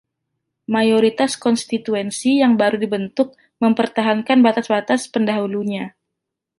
Mayoritas konstituensi yang baru dibentuk mempertahankan batas-batas pendahulunya.